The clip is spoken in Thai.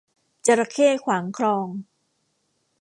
จระเข้ขวางคลอง